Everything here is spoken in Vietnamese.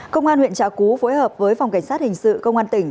công an huyện trà cú phối hợp với phòng cảnh sát hình sự công an tỉnh